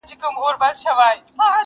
پښتونخوا له درانه خوبه را پاڅیږي!